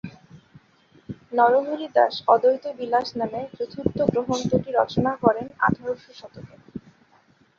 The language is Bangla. নরহরি দাস অদ্বৈতবিলাস নামে চতুর্থ গ্রন্থটি রচনা করেন আঠারো শতকে।